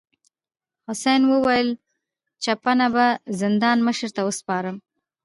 حسن وویل چپنه به زندان مشر ته وسپارم.